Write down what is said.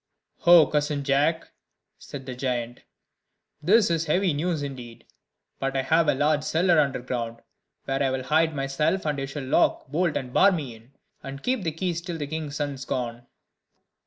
"Oh, cousin Jack," said the giant, "this is heavy news indeed! But I have a large cellar underground, where I will hide myself, and you shall lock, bolt, and bar me in, and keep the keys till the king's son is gone."